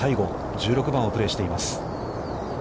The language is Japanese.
１６番をプレーしています。